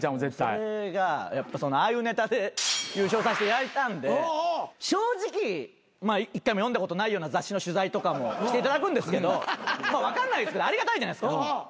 それがやっぱああいうネタで優勝させていただいたんで正直１回も読んだことないような雑誌の取材とかも来ていただくんですけど分かんないですけどありがたいじゃないですか。